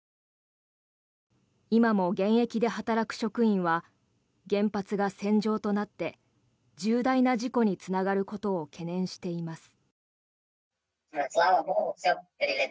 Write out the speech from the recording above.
今も現役で働く職員は原発が戦場となって重大な事故につながることを懸念しています。